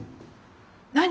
何？